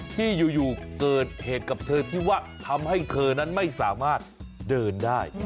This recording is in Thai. ที่อยู่เกิดเหตุกับเธอที่ว่าทำให้เธอนั้นไม่สามารถเดินได้